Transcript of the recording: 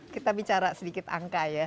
kita bicara sedikit angka ya